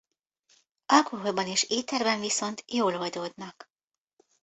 Alkoholban és éterben viszont jól oldódnak.